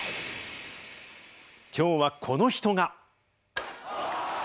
今日はこの人が。